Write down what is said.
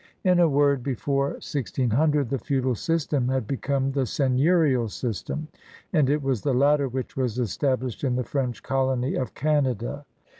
In a word, before 1600 the feudal system had become the seigneurial system, and it was the latter which was established in the French colony of Canada.